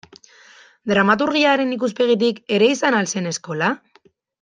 Dramaturgiaren ikuspegitik ere izan al zen eskola?